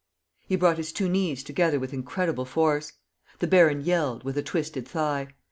He brought his two knees together with incredible force. The baron yelled, with a twisted thigh.